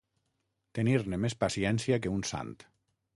Tenir més paciència que un sant.